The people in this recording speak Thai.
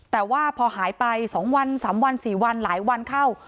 แต่ว่าพอหายไป๒วัน๓วัน๔วันหลายวันเข้า